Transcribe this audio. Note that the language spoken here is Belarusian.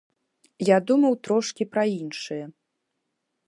Я думаў трошкі пра іншае.